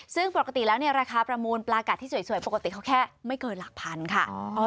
ซึ่งปกติแล้วเนี่ยราคาประมูลปลากัดที่สวยปกติเขาแค่ไม่เกินหลักพันค่ะ